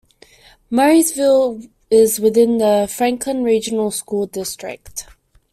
Murrysville is within the Franklin Regional School District.